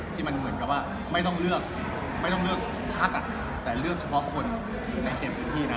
ที่มันเหมือนกับว่าไม่ต้องเลือกไม่ต้องเลือกพักแต่เลือกเฉพาะคนในเขตพื้นที่นะ